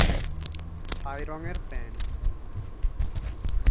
ছাই রঙের প্যান্ট।